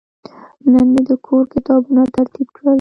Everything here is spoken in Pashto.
نن مې د کور کتابونه ترتیب کړل.